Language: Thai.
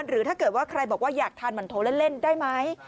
หรือถ้าเกิดว่าใครบอกว่าอยากทานมันโทเล่นได้ไหม